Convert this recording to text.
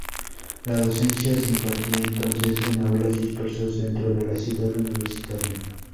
La docencia se impartía entonces en aulas dispersas, dentro de la Ciudad Universitaria.